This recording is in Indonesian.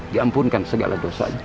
diampunkan segala dosanya